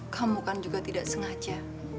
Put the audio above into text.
kamu kan juga tidak sengaja